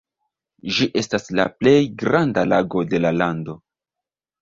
Ĝi estas la plej granda lago de la lando.